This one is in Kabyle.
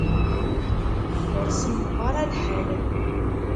Ur semmeḍ ara lḥal.